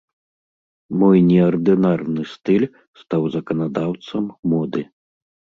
Мой неардынарны стыль стаў заканадаўцам моды.